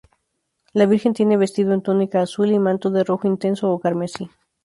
La Virgen tiene vestido en túnica azul y manto de rojo intenso o carmesí.